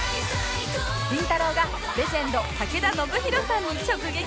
りんたろー。がレジェンド武田修宏さんに直撃